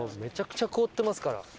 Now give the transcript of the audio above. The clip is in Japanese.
めちゃくちゃ凍ってますから。